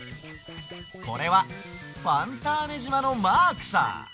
これはファンターネじまのマークさ！